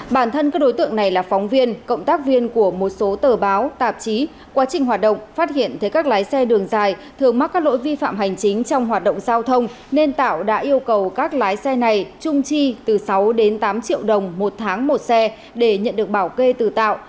bản thân các đối tượng này là phóng viên cộng tác viên của một số tờ báo tạp chí quá trình hoạt động phát hiện thấy các lái xe đường dài thường mắc các lỗi vi phạm hành chính trong hoạt động giao thông nên tạo đã yêu cầu các lái xe này trung chi từ sáu đến tám triệu đồng một tháng một xe để nhận được bảo kê từ tạo